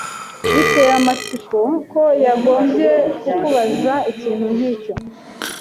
Biteye amatsiko ko yagombye kukubaza ikintu nkicyo.